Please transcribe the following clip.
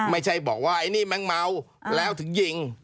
ไม่ใช่บอกว่าไอ้นี่แมงเมาแล้วถึงยิง